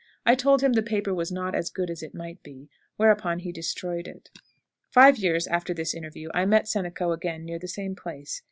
I told him the paper was not as good as it might be, whereupon he destroyed it. Five years after this interview I met Senaco again near the same place.